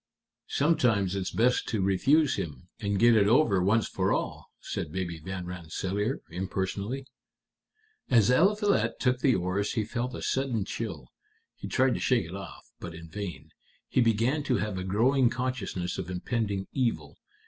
"Sometimes it's best to refuse him, and get it over once for all," said Baby Van Rensselaer, impersonally. "As Eliphalet took the oars he felt a sudden chill. He tried to shake it off, but in vain. He began to have a growing consciousness of impending evil.